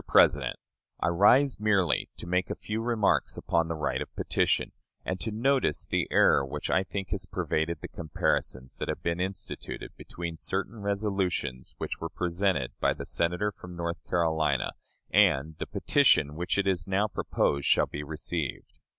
President: I rise merely to make a few remarks upon the right of petition, and to notice the error which I think has pervaded the comparisons that have been instituted between certain resolutions which were presented by the Senator from North Carolina and the petition which it is now proposed shall be received.